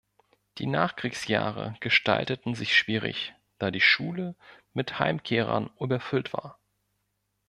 Die Nachkriegsjahre gestalteten sich schwierig, da die Schule mit Heimkehrern überfüllt war.